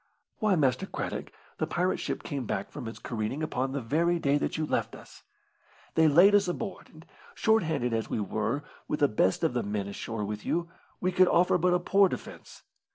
"Why, Master Craddock, the pirate ship came back from its careening upon the very day that you left us. They laid us aboard, and, short handed as we were, with the best of the men ashore with you, we could offer but a poor defence.